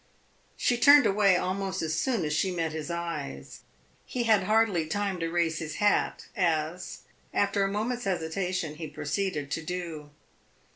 She turned away almost as soon as she met his eyes; he had hardly time to raise his hat, as, after a moment's hesitation, he proceeded to do.